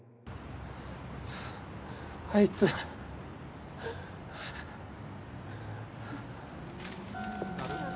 あいつあれ？